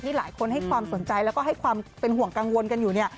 หลายคนให้ความสนใจแล้วก็ให้ความเป็นห่วงกังวลกันอยู่เนี่ย